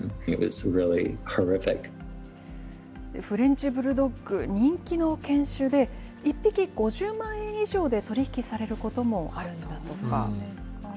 フレンチブルドッグ、人気の犬種で、１匹５０万円以上で取り引きされることもあるんだとか。